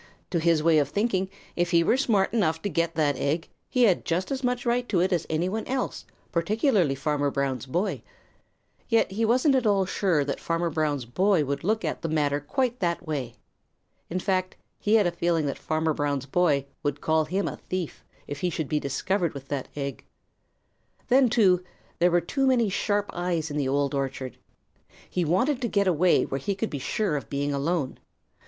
To his way of thinking, if he were smart enough to get that egg, he had just as much right to it as any one else, particularly Farmer Brown's boy. Yet he wasn't at all sure that Farmer Brown's boy would look at the matter quite that way. In fact, he had a feeling that Farmer Brown's boy would call him a thief if he should be discovered with that egg. Then, too, there were too many sharp eyes in the Old Orchard. He wanted to get away where he could be sure of being alone.